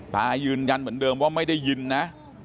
ตายืนยันเหมือนเดิมว่าไม่ได้ยินนะ